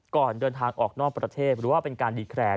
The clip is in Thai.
ก่อนเดินทางออกนอกประเทศหรือว่าเป็นการดีแคร์